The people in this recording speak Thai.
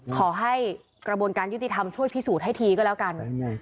ขอให้กระบวนการยุติธรรมช่วยพิสูจน์ให้ทีก็แล้วกัน